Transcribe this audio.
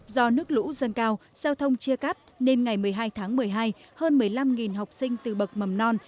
do nước lũ dâng cao giao thông chia cắt nên ngày một mươi hai tháng một mươi hai hơn một mươi năm học sinh từ bậc mầm non